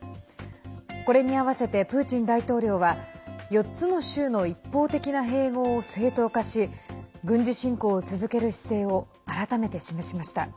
これに合わせてプーチン大統領は４つの州の一方的な併合を正当化し軍事侵攻を続ける姿勢を改めて示しました。